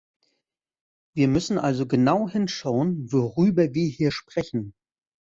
Wir müssen also genau hinschauen, worüber wir hier sprechen.